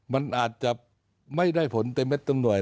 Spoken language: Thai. มันอาจจะไม่ได้ผลเต็มเม็ดเต็มหน่วย